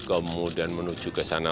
kemudian menuju ke sanak